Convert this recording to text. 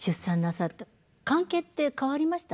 関係って変わりました？